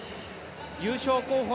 優勝候補